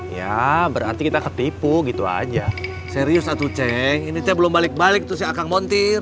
ya berarti kita ketipu gitu aja serius satu cek ini belum balik balik tuh si akan montir